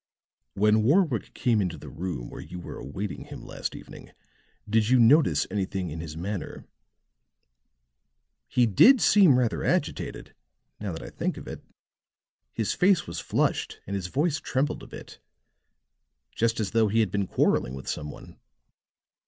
"When Warwick came into the room where we were awaiting him last evening, did you notice anything in his manner?" "He did seem rather agitated, now that I think of it. His face was flushed and his voice trembled a bit just as though he had been quarreling with some one."